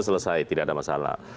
selesai tidak ada masalah